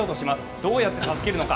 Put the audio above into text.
どうやって助けるのか。